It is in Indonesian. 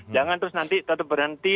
jangan terus nanti tetap berhenti